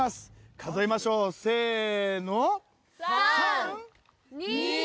数えましょう、せーの。